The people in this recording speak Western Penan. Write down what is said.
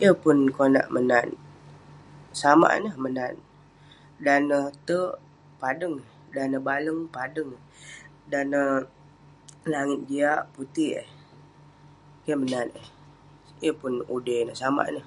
Yeng pun konak menat, samak ineh menat. Dan neh terk, padeng eh. Dan neh baleng, padeng eh. Dan neh langit jiak, putik eh. Keh menat eh, yeng pun udei neh. Samak ineh.